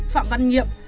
phạm văn nhiệm